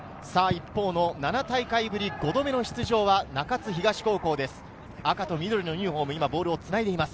７大会ぶり５度目の出場は中津東高校です。